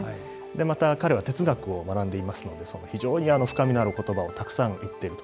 また、彼は哲学を学んでいますので、非常に深みのあることばをたくさん言っていると。